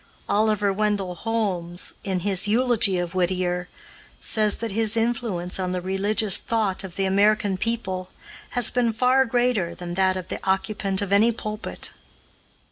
Oliver Wendell Holmes, in his eulogy of Whittier, says that his influence on the religious thought of the American people has been far greater than that of the occupant of any pulpit.